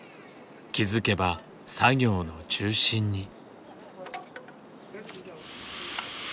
気付けば作業の中心に。